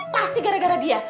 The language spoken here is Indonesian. pasti gara gara dia